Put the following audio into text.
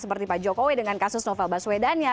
seperti pak jokowi dengan kasus novel baswedannya